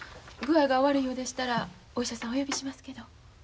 具合がお悪いようでしたらお医者さんお呼びしますけど。